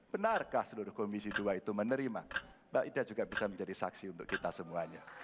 benarkah seluruh komisi dua itu menerima mbak ida juga bisa menjadi saksi untuk kita semuanya